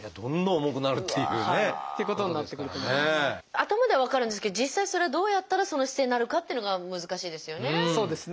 頭では分かるんですけど実際それはどうやったらその姿勢になるかっていうのが難しいですよね。